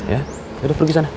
ya yaudah pergi sana